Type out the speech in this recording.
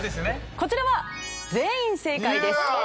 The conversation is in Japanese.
こちらは全員正解です。